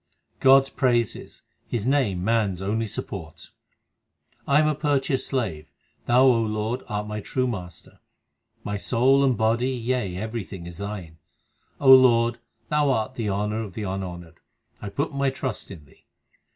God s praises ; His name man s only support : I am a purchased slave ; Thou, O Lord, art my true Master ; My soul and body, yea, everything is Thine. O Lord, Thou art the honour of the unhonoured ; I put my trust in Thee.